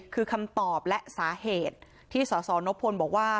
คือคำตอบและสาเหตุที่สสนพลบอกว่า